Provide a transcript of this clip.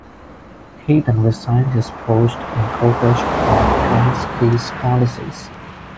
He then resigned his post in protest of Kerensky's policies.